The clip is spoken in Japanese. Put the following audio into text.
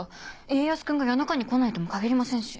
家康君が夜中に来ないとも限りませんし。